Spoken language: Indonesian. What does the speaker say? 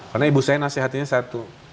karena ibu saya nasihatnya satu